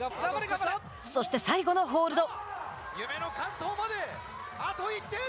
そして最後のホールド。